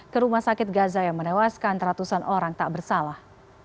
ke rumah sakit gaza yang menewaskan ratusan orang tak bersalah